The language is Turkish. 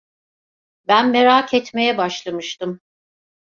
Ben merak etmeye başlamıştım.